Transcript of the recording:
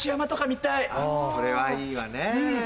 それはいいわねぇ。